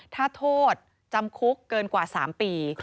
ถ้าโทษจำคุกเกินกว่า๓ปี